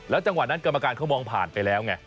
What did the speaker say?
จังหวะนั้นกรรมการเขามองผ่านไปแล้วไง